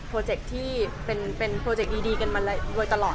เจคที่เป็นโปรเจคดีกันมาโดยตลอด